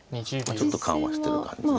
ちょっと緩和してる感じで。